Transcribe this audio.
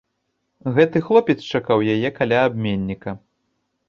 Гэты хлопец чакаў яе каля абменніка.